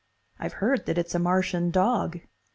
I've heard that it's a Martian dog.